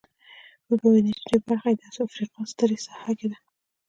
وبه وینئ چې ډېره برخه یې د افریقا سترې صحرا کې ده.